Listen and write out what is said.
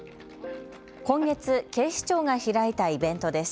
今月、警視庁が開いたイベントです。